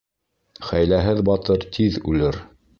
Хәйләһеҙ батыр тиҙ үлер.